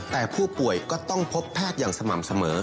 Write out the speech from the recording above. แต่ผู้ป่วยก็ต้องพบแพทย์อย่างสม่ำเสมอ